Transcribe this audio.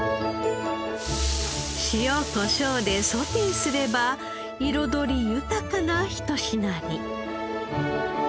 塩コショウでソテーすれば彩り豊かなひと品に。